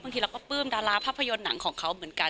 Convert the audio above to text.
ทีเราก็ปลื้มดาราภาพยนตร์หนังของเขาเหมือนกัน